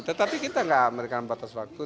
tetapi kita tidak memberikan batas waktu